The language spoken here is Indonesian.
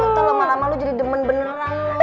ntar lama lama lo jadi demen beneran